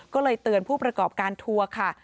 ก็เลยเตือนผู้ประกอบการทัวร์ค่ะ